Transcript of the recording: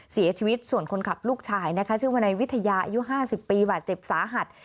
เสียชีวิตส่วนคนขับลูกชายนะคะชื่อวนายวิทยาอายุ๕๐ปีบาดเจ็บสาหัส